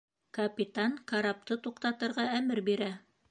Капитан карапты туҡтатырға әмер бирә.